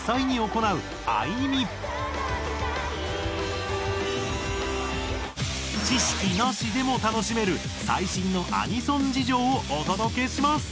「届けたい」知識なしでも楽しめる最新のアニソン事情をお届けします！